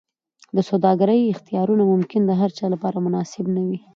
د سوداګرۍ اختیارونه ممکن د هرچا لپاره مناسب نه وي.